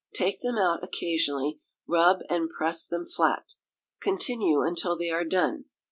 Take them out occasionally, rub and press them flat. Continue until they are done.